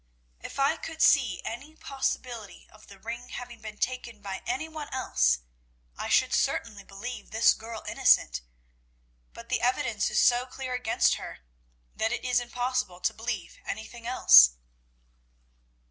If I could see any possibility of the ring having been taken by any one else, I should certainly believe this girl innocent, but the evidence is so clear against her, that it is impossible to believe anything else."